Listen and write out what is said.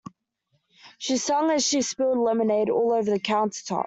She sang as she spilled lemonade all over the countertop.